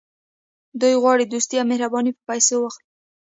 دوی غواړي دوستي او مهرباني په پیسو واخلي.